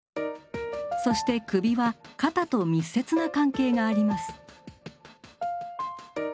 そして首は肩と密接な関係があります。